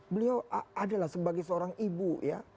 beliau adalah sebagai seorang ibu ya